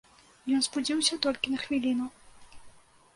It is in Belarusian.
Ён спудзіўся толькі на хвіліну.